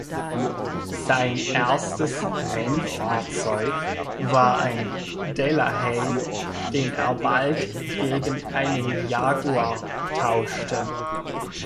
Sein erstes Rennfahrzeug war ein Delahaye, den er bald gegen einen Jaguar tauschte.